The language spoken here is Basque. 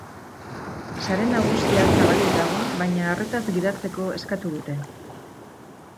Sare nagusia zabalik dago baina arretaz gidatzeko eskatu dute.